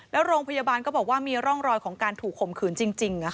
แล้วโรงพยาบาลก็บอกว่ามีร่องรอยของการถูกข่มขืนจริง